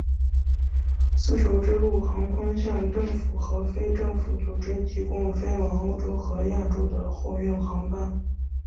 丝绸之路航空向政府和非政府组织提供飞往欧洲和亚洲的货运航班。